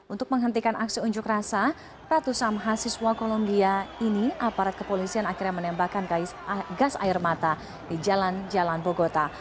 untuk menghentikan aksi unjuk rasa ratusan mahasiswa kolombia ini aparat kepolisian akhirnya menembakkan gas air mata di jalan jalan bogota